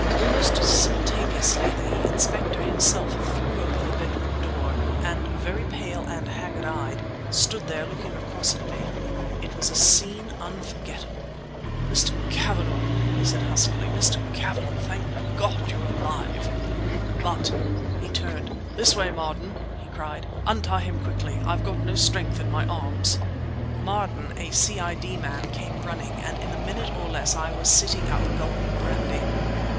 Almost simultaneously the Inspector himself threw open the bedroom door—and, very pale and haggard eyed, stood there looking across at me. It was a scene unforgettable. "Mr. Cavanagh!" he said huskily—"Mr. Cavanagh! Thank God you're alive! But"—he turned—"this way, Marden!" he cried, "Untie him quickly! I've got no strength in my arms!" Marden, a C.I.D. man, came running, and in a minute, or less, I was sitting up gulping brandy.